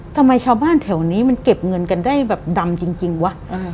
ทำไมชาวบ้านแถวนี้มันเก็บเงินกันได้แบบดำจริงวะ